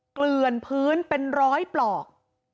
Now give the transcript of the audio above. เกลือนพื้นเป็นร้อยปลอก